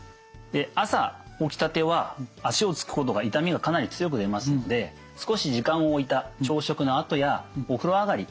朝起きたては足をつくことが痛みがかなり強く出ますので少し時間を置いた朝食のあとやお風呂上がり。